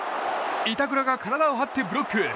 板倉が体を張ってブロック。